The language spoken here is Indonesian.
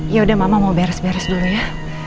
ya udah mama mau beres beres dulu ya